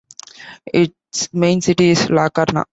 Its main city is Larkana.